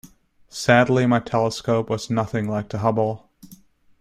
Sadly my telescope was nothing like the Hubble.